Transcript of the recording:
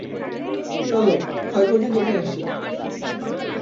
চলো, ক্ষয়ক্ষতি দেখে আসি!